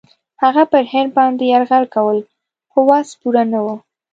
هغه پر هند باندي یرغل کول په وس پوره نه وه.